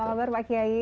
alhamdulillah pak kiai